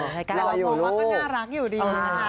ไทก้าหล่ออยู่น่ารักอยู่ดี